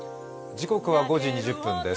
時刻は５時２０分です。